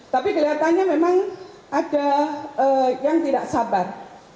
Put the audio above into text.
tapi kelihatannya memang ada yang tidak sabar